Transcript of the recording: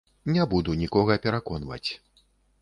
Не буду нікога пераконваць.